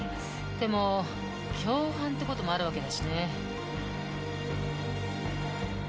でも共犯ってこともある訳だしね。